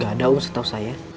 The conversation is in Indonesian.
gak ada uh setau saya